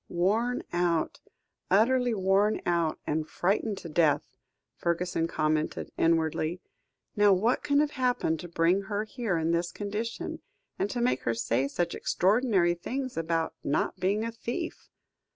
"Worn out, utterly worn out, and frightened to death," Fergusson commented inwardly; "now what can have happened to bring her here in this condition, and to make her say such extraordinary things about not being a thief.